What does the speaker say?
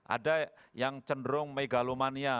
ada yang cenderung megalomania